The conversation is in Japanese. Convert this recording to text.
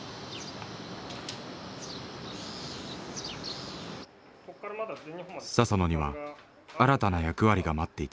佐々野には新たな役割が待っていた。